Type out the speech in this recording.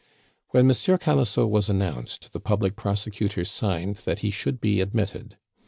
When Monsieur Camusot was announced, the public prosecutor signed that he should be admitted.